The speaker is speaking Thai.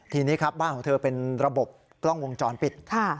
ทีนี้ครับบ้านของเธอเป็นระบบกล้องวงจรปิด